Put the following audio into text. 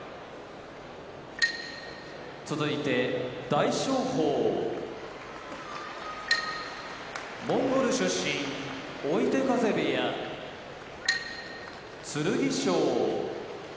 大翔鵬モンゴル出身追手風部屋剣翔